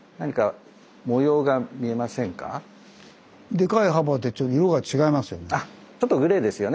でかい幅でちょっと色が違いますよね。